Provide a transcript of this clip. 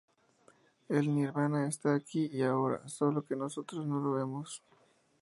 El nirvana está aquí y ahora, sólo que nosotros no lo vemos.